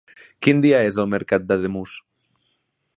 Quin dia és el mercat d'Ademús?